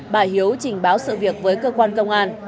bà hiếu trình báo sự việc với cơ quan công an